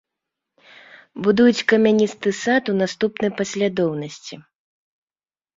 Будуюць камяністы сад у наступнай паслядоўнасці.